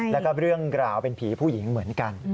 แล้วก็เรื่องราวเป็นผีผู้หญิงเหมือนกัน